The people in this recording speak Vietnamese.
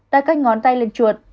đã cách ngón tay lên chuột